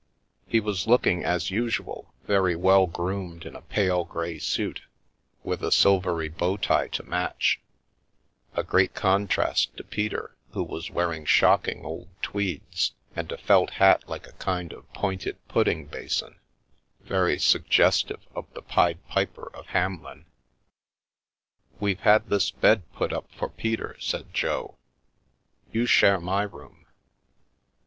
He was looking, as usual, very well groomed in a pale grey suit with a silvery bow tie to match — a great con trast to Peter, who was wearing shocking old tweeds, and a felt hat like a kind of pointed pudding basin, very suggestive of the Pied Piper of Hamelin. We've had this bed put up for Peter," said Jo. You share my room.